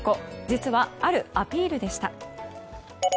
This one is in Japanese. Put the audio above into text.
実は、あるアピールでした。